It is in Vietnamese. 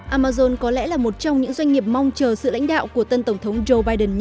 amazon có lẽ là một trong những doanh nghiệp mong chờ